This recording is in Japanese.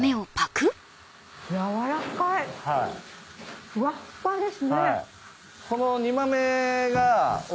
やわらかいふわっふわですね。